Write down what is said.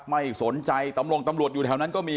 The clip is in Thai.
ไม่สนใจตำรวจอยู่แถวนั้นก็มี